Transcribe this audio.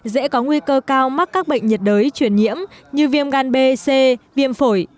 dễ có nguy cơ cao mắc các bệnh nhiệt đới chuyển nhiễm như viêm gan b c viêm phổi